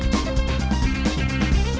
terima kasih tur alarv